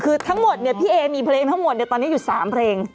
คือทั้งหมดเนี่ยพี่เอมีเพลงทั้งหมดตอนนี้อยู่๓เพลง